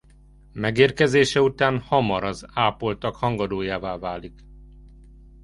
Megérkezése után hamar az ápoltak hangadójává válik.